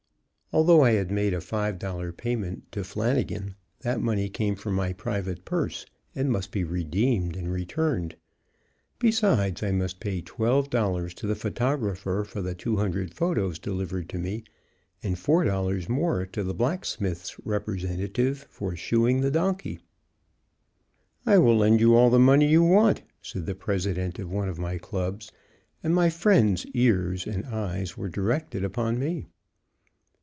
Although I had made a five dollar payment to Flanagan, that money came from my private purse and must be redeemed and returned; besides, I must pay $12 to the photographer for the 200 photos delivered to me, and $4 more to the blacksmith's representative for shoeing the donkey. "I will lend you all the money you want," said the president of one of my clubs; and my "friend's" ears and eyes were directed upon me.